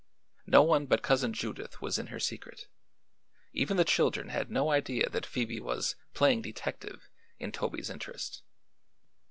No one but Cousin Judith was in her secret; even the children had no idea that Phoebe was "playing detective" in Toby's interest.